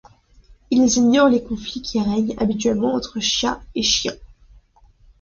Ils ignorent les conflits qui règnent habituellement entre chats et chiens.